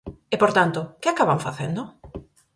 E, por tanto, ¿que acaban facendo?